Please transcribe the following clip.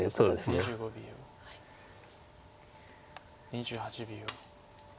２８秒。